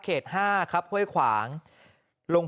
กรุงเทพฯมหานครทำไปแล้วนะครับ